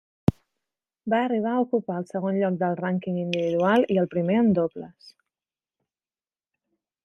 Va arribar a ocupar el segon lloc del rànquing individual i el primer en dobles.